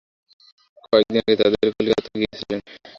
কয়েক দিন আগে যাদব কলিকাতায় গিয়াছিলেন।